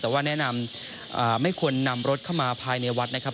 แต่ว่าแนะนำไม่ควรนำรถเข้ามาภายในวัดนะครับ